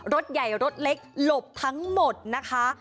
รถใหญ่รถเล็กหลบทั้งหมดนะคะ